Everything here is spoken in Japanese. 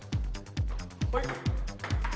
はい。